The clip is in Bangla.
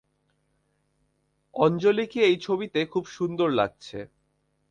আঞ্জলিকে এই ছবিতে খুব সুন্দর লাগছে।